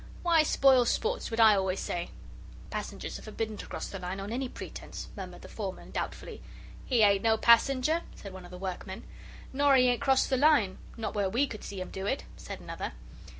"Why spoil sport's what I always say." "Passengers are forbidden to cross the line on any pretence," murmured the foreman, doubtfully. "He ain't no passenger," said one of the workmen. "Nor 'e ain't crossed the line, not where we could see 'im do it," said another.